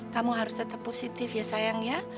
kamu harus tetap positif ya sayang ya